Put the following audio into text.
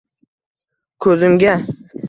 Ko’zimga».